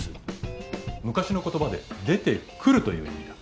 昔の言葉で出てくるという意味だ。